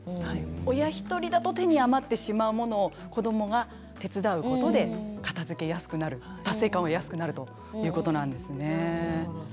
親１人だと手に余ってしまう物を子どもが手伝うことで片づけやすくなる達成感を得やすくなるということなんですね。